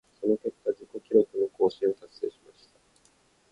その結果、自己記録の更新を達成しました。